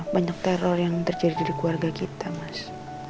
banyak teror yang terjadi di keluarga kita mas